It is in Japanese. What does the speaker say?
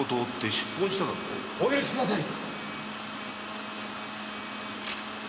お許しください！